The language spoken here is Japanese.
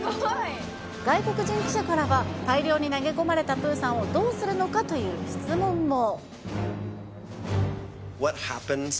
外国人記者からは、大量に投げ込まれたプーさんをどうするのかという質問も。